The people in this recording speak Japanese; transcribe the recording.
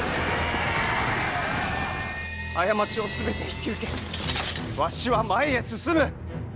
過ちを全て引き受けわしは前へ進む！